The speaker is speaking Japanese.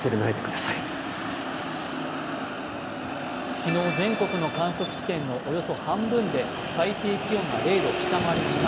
昨日全国の観測地点の半分で最低気温が０度を下回りました。